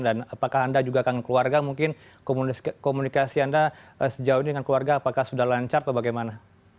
dan apakah anda juga akan keluarga mungkin komunikasi anda sejauh ini dengan keluarga apakah sudah lancar atau bagaimana